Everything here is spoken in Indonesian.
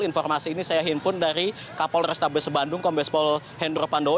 informasi ini saya himpun dari kapol restabes bandung kombespol hendro pandowo